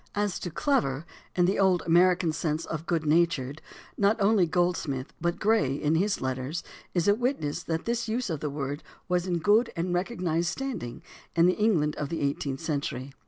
As to "clever" in the old American sense of "good natured" not only Goldsmith, but Gray in his Letters (vol. II, p. 318), is a witness that this use of the word was in good and recognized standing in the England of the eigh teenth century.